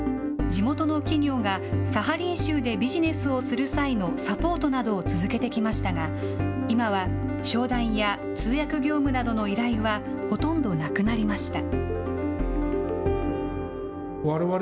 地元の企業がサハリン州でビジネスをする際のサポートなどを続けてきましたが、今は商談や通訳業務などの依頼はほとんどなくなりました。